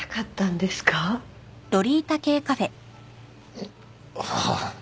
んっ。はあ。